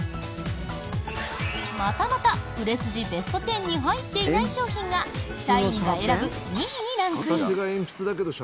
またまた売れ筋ベスト１０に入っていない商品が社員が選ぶ２位にランクイン。